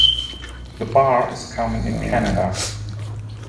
The bar is common in Canada.